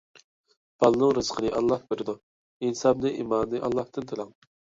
بالىنىڭ رىزقىنى ئاللاھ بېرىدۇ. ئىنسابىنى، ئىمانىنى ئاللاھتىن تىلەڭ.